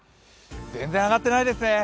全然上がってないですね。